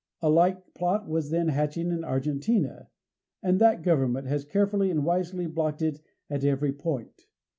A like plot was then hatching in Argentina, and that government has carefully and wisely blocked it at every point.